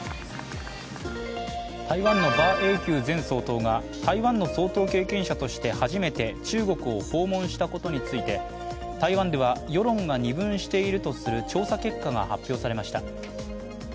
台湾の馬英九前総統が台湾の総統経験者として初めて中国を訪問したことについて台湾では世論が二分しているとする調査結果が発表されました。